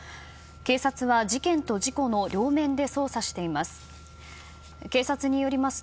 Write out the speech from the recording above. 警察は事件と事故の両面で捜査しています。